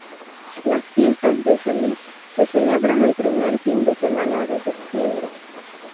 Las fiestas de Solís se celebran el primer fin de semana de septiembre.